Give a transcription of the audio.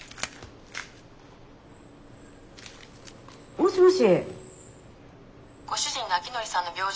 もしもし？